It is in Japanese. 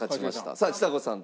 さあちさ子さんと。